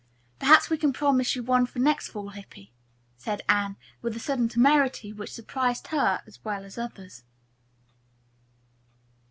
"Perhaps we can promise you one for next fall, Hippy," said Anne, with a sudden temerity which surprised her as well as the others.